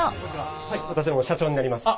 私どもの社長になります。